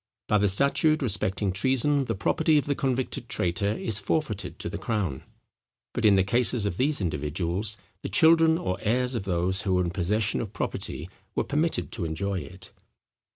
By the statute respecting treason the property of the convicted traitor is forfeited to the crown; but in the cases of these individuals the children or heirs of those who were in possession of property were permitted to enjoy it.